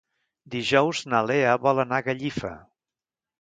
Dijous na Lea vol anar a Gallifa.